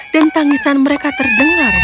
dan tangisan mereka terdengar jauh